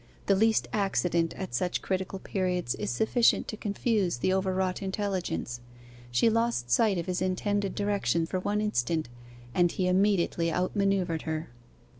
The least accident at such critical periods is sufficient to confuse the overwrought intelligence. She lost sight of his intended direction for one instant, and he immediately outmanoeuvred her.